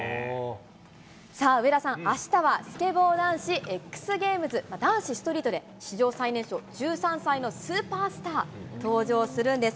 上田さん、あしたはスケボー男子、ＸＧａｍｅｓ男子ストリートで、史上最年少１３歳のスーパースター、登場するんです。